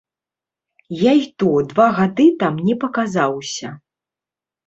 Я і то два гады там не паказаўся.